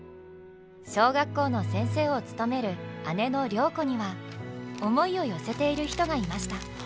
小学校の先生を務める姉の良子には思いを寄せている人がいました。